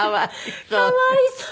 かわいそう。